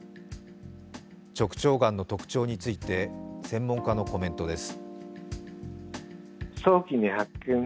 直腸がんの特徴について専門家のコメントです。